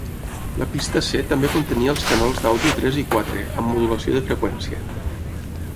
La pista C també contenia els canals d'àudio tres i quatre, amb modulació de freqüència.